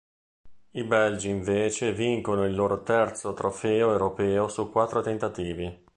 I belgi invece vincono il loro terzo trofeo europeo su quattro tentativi.